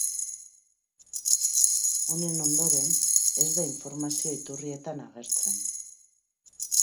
Honen ondoren, ez da informazio iturrietan agertzen.